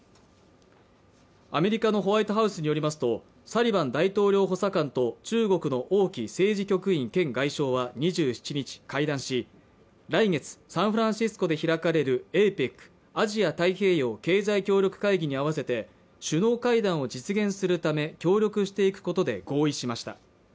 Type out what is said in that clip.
アメリカのホワイトハウスによりますとサリバン大統領補佐官と中国の王毅政治局員兼外相は２７日会談し来月サンフランシスコで開かれるＡＰＥＣ＝アジア太平洋経済協力会議に合わせて首脳会談を実現するため協力していくことで合意しました